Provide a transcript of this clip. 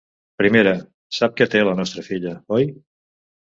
Primera: sap què té la nostra filla, oi?